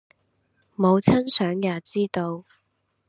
母親想也知道；